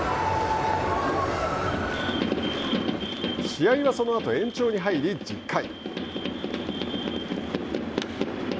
試合はそのあと延長に入り１０回。